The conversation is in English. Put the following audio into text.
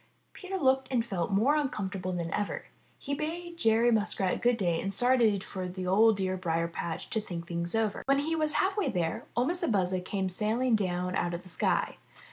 Peter looked and felt more uncomfortable than ever. He bade Jerry Muskrat good day and started 384 IN THE NURSERY for the dear Old Briar patch to think things over. When he was half way there, 01' Mistah Buzzard came sailing down out of the sky.